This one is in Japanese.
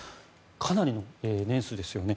かなりの年数ですよね。